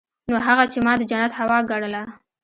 نو هغه چې ما د جنت هوا ګڼله.